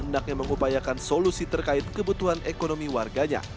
hendaknya mengupayakan solusi terkait kebutuhan ekonomi warganya